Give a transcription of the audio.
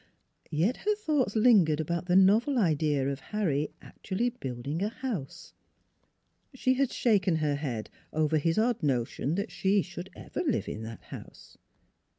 Yet her thoughts lin gered about the novel idea of Harry actually building a house. She had shaken her head over his odd notion that she should ever live in that house.